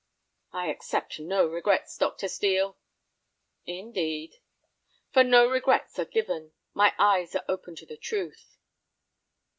"I accept no regrets, Dr. Steel—" "Indeed." "For no regrets are given. My eyes are open to the truth."